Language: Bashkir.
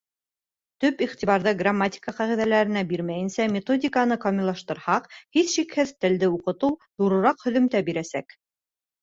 Төп иғтибарҙы грамматика ҡағиҙәләренә бирмәйенсә, методиканы камиллаштырһаҡ, һис шикһеҙ, телде уҡытыу ҙурыраҡ һөҙөмтә бирәсәк.